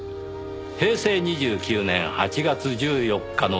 平成２９年８月１４日の夜。